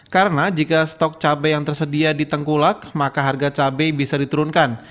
karena jika stok cabai yang tersedia di tengkulak maka harga cabai bisa diturunkan